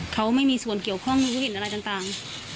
เขาไม่มีส่วนเกี่ยวข้องรู้เห็นอะไรต่าง